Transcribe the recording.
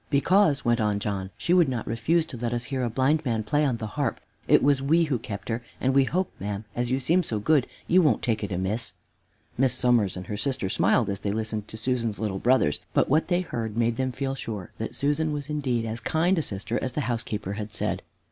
"Because," went on John, "she would not refuse to let us hear a blind man play on the harp. It was we who kept her, and we hope, ma'am, as you seem so good, you won't take it amiss." Miss Somers and her sister smiled as they listened to Susan's little brothers, but what they heard made them feel sure that Susan was indeed as kind a sister as the housekeeper had said.